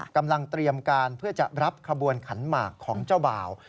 กำลังเตรียมการเพื่อจะรับขบวนขันหมากของเจ้าบ่าว